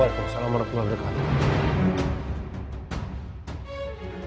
waalaikumsalamualaikum warahmatullahi wabarakatuh